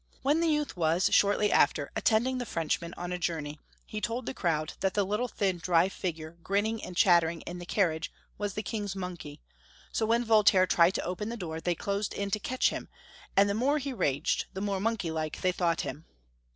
When the youth was, shortly after, attend ing the Frenchman on a journey, he told the crowd that the little, thin, diy figure grinning and chatter ing in the carriage was the King's monkey, so when Voltaire tried to open the door they closed in to catch him, and the more he raged, the more monkey like they thought him.